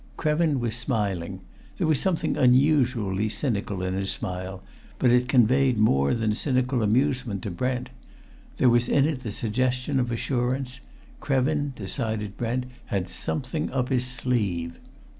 Krevin was smiling. There was something unusually cynical in his smile, but it conveyed more than cynical amusement to Brent. There was in it the suggestion of assurance Krevin, decided Brent, had something up his sleeve.